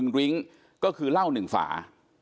๑ดิงก็คือเหล้า๑ฝา